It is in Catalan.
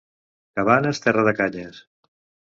Cabanes, terra de canyes.